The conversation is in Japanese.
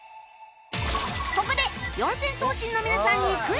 ここで四千頭身の皆さんにクイズ！